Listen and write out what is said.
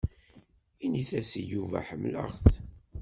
Init-as i Yuba ḥemmleɣ-t.